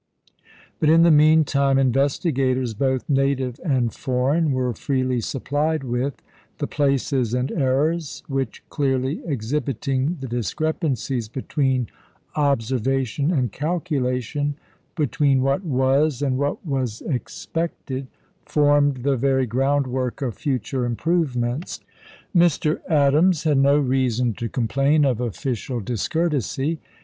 But in the meantime, investigators, both native and foreign, were freely supplied with the "places and errors," which, clearly exhibiting the discrepancies between observation and calculation between what was and what was expected formed the very groundwork of future improvements. Mr. Adams had no reason to complain of official discourtesy.